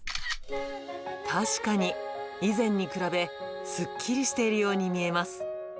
確かに、以前に比べすっきりしているように見えます。